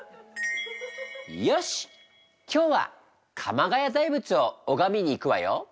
よし今日は鎌ケ谷大仏を拝みに行くわよ。